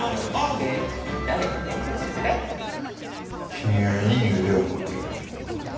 君はいい腕を持っている。